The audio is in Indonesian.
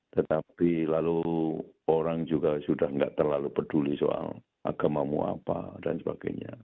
tetapi lalu orang juga sudah tidak terlalu peduli soal agamamu apa dan sebagainya